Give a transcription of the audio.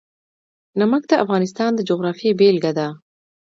نمک د افغانستان د جغرافیې بېلګه ده.